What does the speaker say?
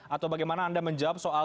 atau bagaimana anda menjawab soal